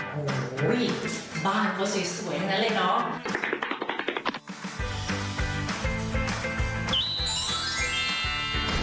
โห้ยบ้านก็สวยอย่างนั้นเลยเนาะ